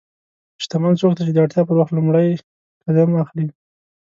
شتمن څوک دی چې د اړتیا پر وخت لومړی قدم اخلي.